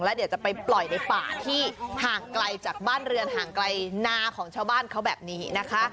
แล้วเดี๋ยวจะไปปล่อยในป่าที่ห่างไกลจากบ้านเรือนห่างไกลนาของชาวบ้านเขาแบบนี้นะคะ